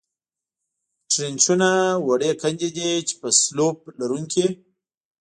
ټرینچونه وړې کندې دي، چې په سلوپ لرونکې.